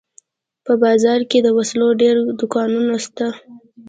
په بازار کښې د وسلو ډېر دوکانونه سته.